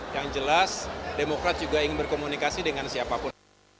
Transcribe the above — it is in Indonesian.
yang jelas demokrat juga ingin berkomunikasi dengan siapapun